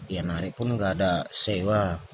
ya narik pun nggak ada sewa